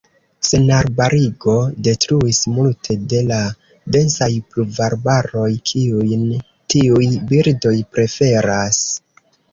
Senarbarigo detruis multe de la densaj pluvarbaroj kiujn tiuj birdoj preferas.